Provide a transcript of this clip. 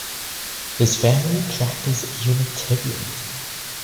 His family practiced Unitarianism.